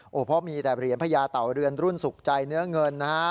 เพราะมีแต่เหรียญพญาเต่าเรือนรุ่นสุขใจเนื้อเงินนะฮะ